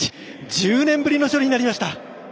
１０年ぶりの勝利になりました。